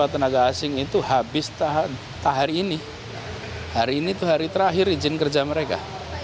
satu ratus empat tenaga asing itu habis hari ini hari ini itu hari terakhir izin kerja mereka